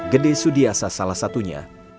gede sudiasa salah satunya